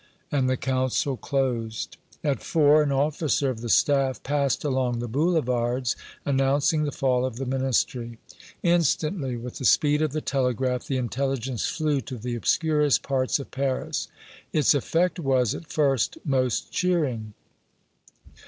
And the council closed. At four, an officer of the staff passed along the boulevards, announcing the fall of the Ministry. Instantly, with the speed of the telegraph, the intelligence flew to the obscurest parts of Paris. Its effect was, at first, most cheering.